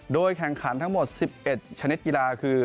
โดยแข่งขันทั้งหมด๑๑ชนิดกีฬาคือ